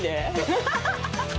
アハハハ。